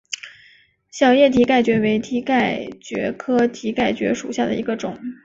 小叶蹄盖蕨为蹄盖蕨科蹄盖蕨属下的一个种。